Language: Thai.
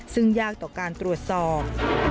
ซึ่งยากต่อการตรวจสอบ